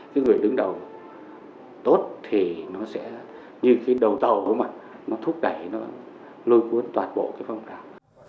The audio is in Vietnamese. cái người đứng đầu tốt thì nó sẽ như cái đầu tàu đúng mà nó thúc đẩy nó lôi cuốn toàn bộ cái phong trào